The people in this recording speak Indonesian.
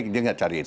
dia enggak cari itu